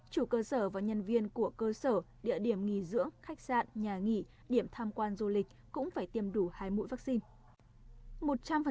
chủ cơ sở và nhân viên của cơ sở địa điểm nghỉ dưỡng khách sạn nhà nghỉ điểm tham quan du lịch cũng phải tiêm đủ hai mũi vaccine